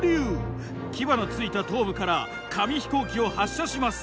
牙のついた頭部から紙飛行機を発射します。